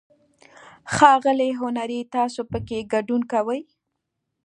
ښاغلی هنري، تاسو پکې ګډون کوئ؟